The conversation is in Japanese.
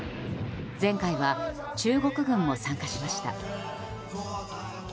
前回は中国軍も参加しました。